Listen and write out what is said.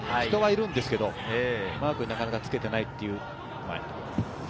人はいるんですけど、マーク、なかなかつけていないという。